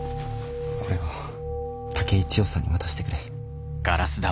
これを竹井千代さんに渡してくれ。